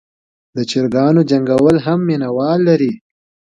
د چرګانو جنګول هم مینه وال لري.